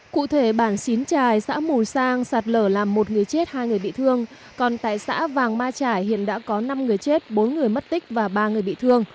cụ thể bản xín trải xã mù sang sạt lở làm một người chết hai người bị thương còn tại xã vàng ma trải hiện đã có năm người chết bốn người mất tích và ba người bị thương